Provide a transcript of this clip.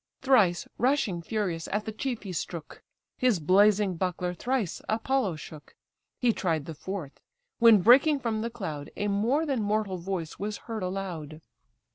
Thrice rushing furious, at the chief he strook; His blazing buckler thrice Apollo shook: He tried the fourth: when, breaking from the cloud, A more than mortal voice was heard aloud.